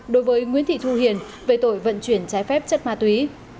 đối với nguyễn thị thu hiền về tội vận chuyển trái phép chất ma túy